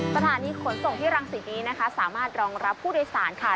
สถานีขนส่งที่รังสิตนี้นะคะสามารถรองรับผู้โดยสารค่ะ